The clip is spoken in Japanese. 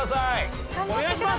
お願いします！